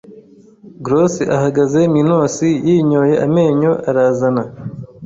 Graus ahagaze Minos yinyoye amenyo arazana